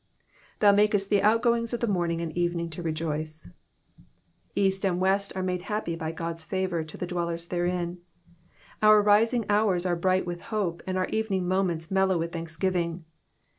''''Thou makest the outgoings of the morning and evening to rejoice.'' ^ East and west are made happy by God's favour to the dwellers therein. Our rising hours are bright with hope, and our evening moments mellow with thanksgiving.